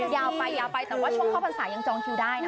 ยาวไปแต่ว่าช่วงข้อพันศายังจองคิวได้นะ